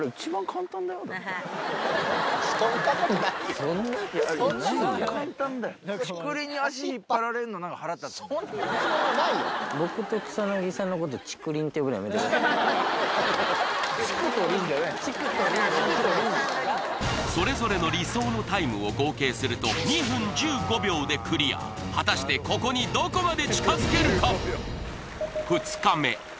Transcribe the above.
そんなつもりはないよそれぞれの理想のタイムを合計すると２分１５秒でクリア果たしてここにどこまで近づけるか？